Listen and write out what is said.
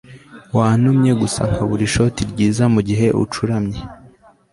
wantumye gusa nkabura ishoti ryiza mugihe ucuramye